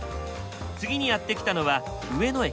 次にやって来たのは上野駅。